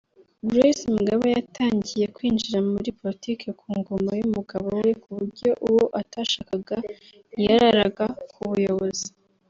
Grace Mugabe yatangiye kwinjira mur politiki ku ngoma y’umugabo we kuburyo uwo atashakaga ntiyararaga ku buyobozi